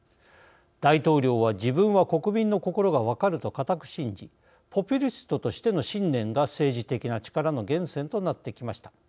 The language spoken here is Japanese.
大統領は、自分は国民の心が分かると固く信じポピュリストとしての信念が政治的な力の源泉となってきました。